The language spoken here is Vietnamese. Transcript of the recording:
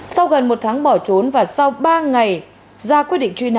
sau gần một tháng bỏ trốn và sau ba ngày ra quyết định truy nã